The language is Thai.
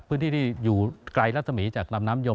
พื้นที่ที่อยู่ไกลรัศมีร์จากลำน้ำยม